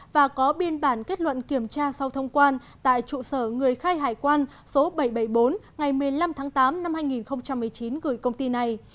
và có biên bản kết luận kiểm tra sau thông quan tại trụ sở người khai hải quan số bảy trăm bảy mươi bốn ngày một mươi năm tháng tám năm hai nghìn một mươi chín gửi công ty này